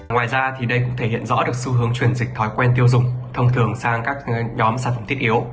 ngoài ra thì đây cũng thể hiện rõ được xu hướng chuyển dịch thói quen tiêu dùng thông thường sang các nhóm sản phẩm thiết yếu